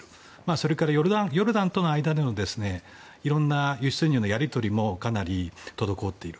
それからヨルダンとの間にもいろいろな輸出入のやり取りもかなり滞っている。